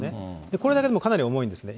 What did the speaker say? これだけでもかなり重いんですね。